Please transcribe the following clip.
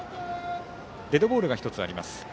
デッドボールが１つあります。